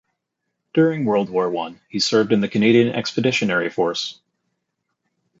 During World War One, he served in the Canadian Expeditionary Force.